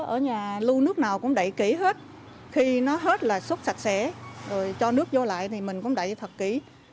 ở nhà lưu nước nào cũng đậy kỹ hết khi nó hết là sốt sạch sẽ rồi cho nước vô lại thì mình cũng đẩy thật kỹ